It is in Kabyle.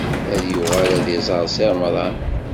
Ad yuɣal ad iẓer Si Remḍan.